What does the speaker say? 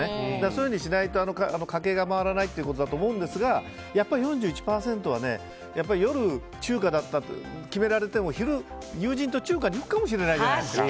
そうしないと家計が回らないんでしょうがやっぱり４１％は夜、中華とか決められても昼、友人と中華に行くかもしれないじゃないですか。